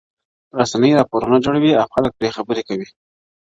o رسنۍ راپورونه جوړوي او خلک پرې خبري کوي,